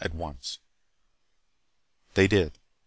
At once. They did.